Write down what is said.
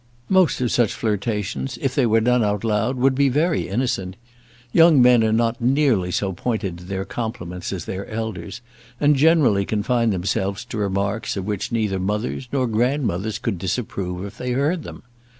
Most of such flirtations if they were done out loud would be very innocent. Young men are not nearly so pointed in their compliments as their elders, and generally confine themselves to remarks of which neither mothers nor grandmothers could disapprove if they heard them.